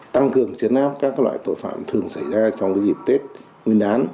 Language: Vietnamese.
tăng cường chấn áp các loại tội phạm thường xảy ra trong dịp tết nguyên đán